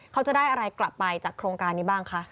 เขาจะได้อะไรกลับไปจากโครงการนี้บ้างคะ